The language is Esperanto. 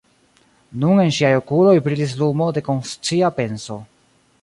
Nun en ŝiaj okuloj brilis lumo de konscia penso.